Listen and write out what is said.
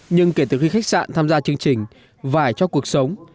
nhưng kể từ khi khách sạn tham gia chương trình vải cho cuộc sống